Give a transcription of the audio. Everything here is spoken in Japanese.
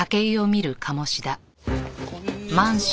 こんにちは。